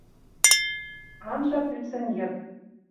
Анжа тӱцӹн йыд.